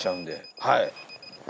はい。